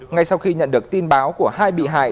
ngay sau khi nhận được tin báo của hai bị hại